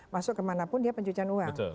masuk kemana pun dia pencucian uang